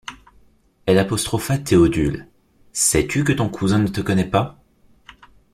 Elle apostropha Théodule: — Sais-tu que ton cousin ne te connaît pas?